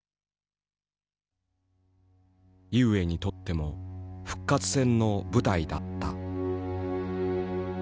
井植にとっても復活戦の舞台だった。